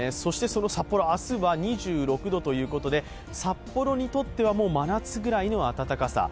その札幌、明日は２６度ということで、札幌にとってはもう、真夏ぐらいの暖かさ。